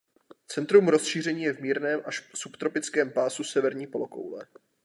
Centrum rozšíření je v mírném až subtropickém pásu severní polokoule.